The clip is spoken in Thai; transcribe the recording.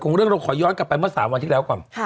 ขอย้อนขึ้นกันมา๓วันที่แล้วก่อน